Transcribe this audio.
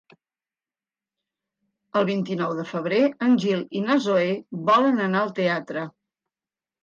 El vint-i-nou de febrer en Gil i na Zoè volen anar al teatre.